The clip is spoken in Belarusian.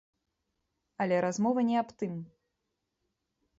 Але размова не аб тым.